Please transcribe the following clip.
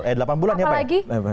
eh delapan bulan ya pak eki